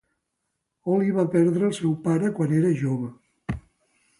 Holly va perdre el seu pare quan era jove.